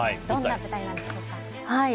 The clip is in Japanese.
どんな舞台なんでしょうか？